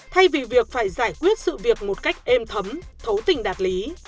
thay vì việc phải giải quyết sự việc một cách êm thấm thấu tình đạt lý